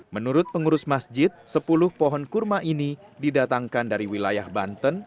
menurut pengurus masjid sepuluh pohon kurma ini didatangkan dari wilayah banten